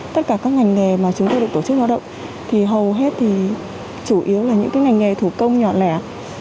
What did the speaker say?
tất cả các ngành nghề mà chúng tôi được tổ chức lao động thì hầu hết thì chủ yếu là những cái ngành nghề thủ công nhỏ lẻ